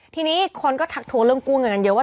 ทีนี้คนก็ทักทวงเรื่องกู้เงินกันเยอะว่า